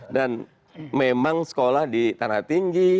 dan memang sekolah di tanah tinggi